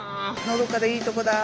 のどかでいいとこだ。